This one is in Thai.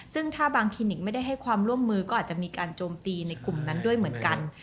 ซึ่งถ้าบางคลินิกไม่ได้ให้ความร่วมมือก็อาจจะมีการโจมตีในกลุ่มนั้นด้วยเหมือนกัน